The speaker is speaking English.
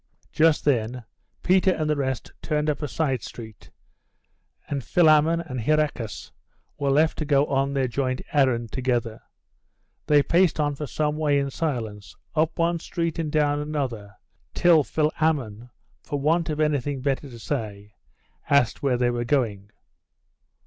Just then, Peter and the rest turned up a side street, and Philammon and Hieracas were left to go on their joint errand together. They paced on for some way in silence, up one street and down another, till Philammon, for want of anything better to say, asked where they were going.